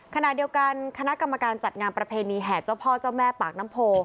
ขณะเดียวกันคณะกรรมการจัดงานประเพณีแห่เจ้าพ่อเจ้าแม่ปากน้ำโพ